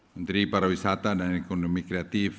menteri para wisata dan ekonomi kreatif